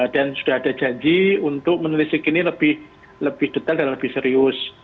dan sudah ada janji untuk meneliti kini lebih detail dan lebih serius